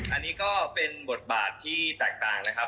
อันนี้ก็เป็นบทบาทที่แตกต่างนะครับ